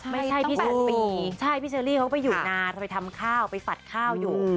ไม่ใช่ต้อง๘ปีใช่พี่เชอรี่เขาไปอยู่นานไปทำค่าไปฝัดค่าวอยู่